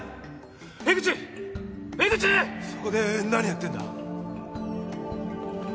そこで何やってんだ？